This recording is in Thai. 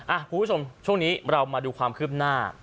คุณผู้ชมช่วงนี้เรามาดูความคืบหน้า